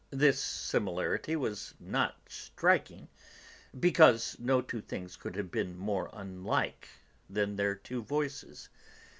This similarity was not striking because no two things could have been more unlike than their voices.